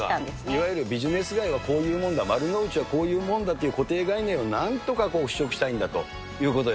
いわゆるビジネス街はこういうもんだ、丸の内はこういうもんだという固定概念をなんとか払拭したいんだ